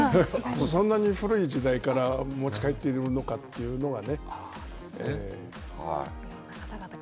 そんなに古い時代から持ち帰ってるのかというのがね。